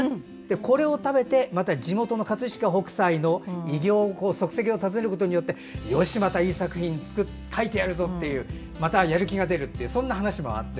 これを食べて地元の葛飾北斎の偉業の足跡を訪ねることでよし、またいい作品書いてやるぞとまた、やる気が出るという話があって。